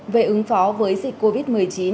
về ứng phó với dịch covid một mươi chín